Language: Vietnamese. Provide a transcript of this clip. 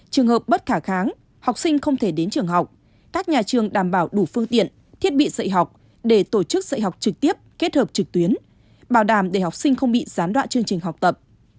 trường hợp bất khả kháng học sinh không thể đến trường học các nhà trường đảm bảo đủ phương tiện thiết bị dạy học để tổ chức dạy học trực tiếp kết hợp trực tuyến bảo đảm để học sinh không bị gián đoạn chương trình học tập